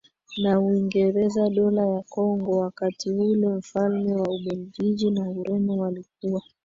na Uingereza Dola la Kongo wakati ule mfalme wa Ubelgiji na Ureno walio kuwa